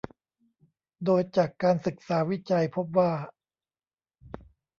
โดยจากการศึกษาวิจัยพบว่า